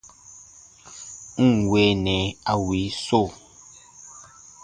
N ǹ weenɛ a wii so !